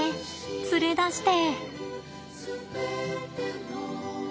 連れ出して。